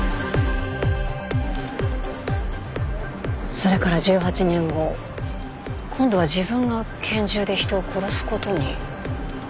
それから１８年後今度は自分が拳銃で人を殺すことに？